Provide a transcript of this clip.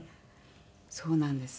そうなんです。